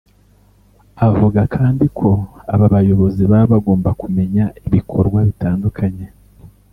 Avuga kandi ko aba bayobozi baba bagomba kumenya ibikorwa bitandukanye